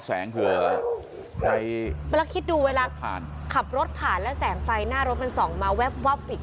แสงเผื่อใครเวลาคิดดูเวลาผ่านขับรถผ่านแล้วแสงไฟหน้ารถมันส่องมาแวบวับอีก